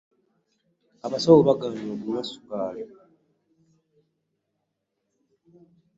Abasawo bagaanye okunywa sukaali.